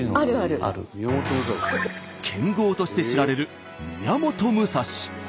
剣豪として知られる宮本武蔵。